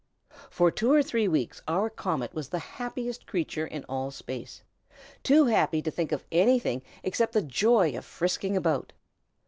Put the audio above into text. For two or three weeks our comet was the happiest creature in all space; too happy to think of anything except the joy of frisking about.